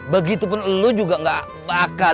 begitu pun elu juga gak bakal